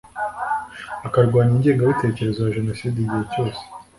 akarwanya ingengabitekerezo ya Jenoside igihe cyose